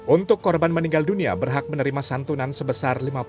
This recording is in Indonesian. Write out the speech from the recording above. untuk korban meninggal dunia berhak menerima santunan sebesar lima puluh